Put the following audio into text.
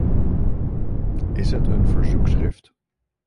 Is het een verzoekschrift?